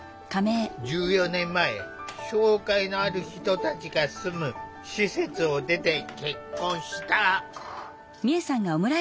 １４年前障害のある人たちが住む施設を出て結婚した。